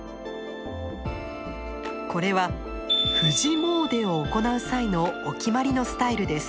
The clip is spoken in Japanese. これは「富士詣で」を行う際のお決まりのスタイルです。